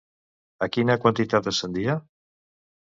A quina quantitat ascendia?